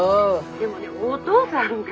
☎でもねお父さんが。